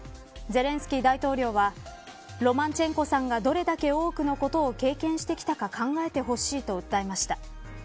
ゼレンスキー大統領はロマチェンコさんがどれだけ多くのことを経験してきたか考えてほしいと訴えました。